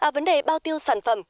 vấn đề bao tiêu sản phẩm